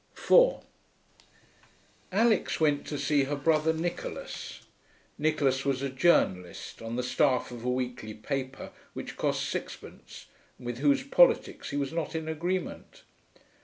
4 Alix went to see her brother Nicholas. Nicholas was a journalist, on the staff of a weekly paper which cost sixpence and with whose politics he was not in agreement.